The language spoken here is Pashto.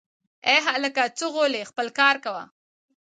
ای هلکه ځه غولی خپل کار کوه